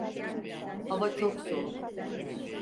Hava çok soğuk.